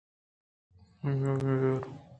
آئی ءِ مہر